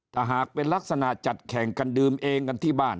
ถ้าหากเป็นลักษณะจัดแข่งกันดื่มเองกันที่บ้าน